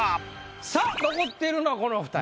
さあ残っているのはこのお二人。